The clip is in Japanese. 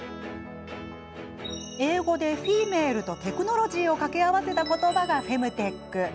英語でフィーメールとテクノロジーを掛け合わせた言葉がフェムテック。